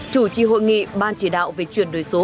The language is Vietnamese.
chủ trì hội nghị ban chỉ đạo về chuyển đổi số